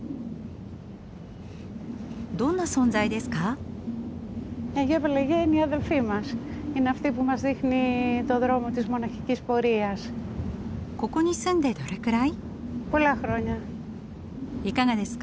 どんな存在ですか？